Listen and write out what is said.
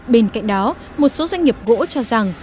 bên cạnh đó một số doanh nghiệp gỗ cho rằng